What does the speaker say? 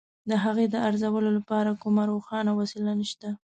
د هغې د ارزولو لپاره کومه روښانه وسیله نشته.